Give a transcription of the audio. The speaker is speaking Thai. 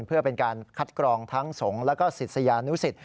เพื่อเป็นการคัดกรองทั้งสงฆ์แล้วก็ศิษยานุสิต